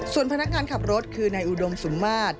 ส่วนพนักงานขับรถคือนายอุดมสุนมาตร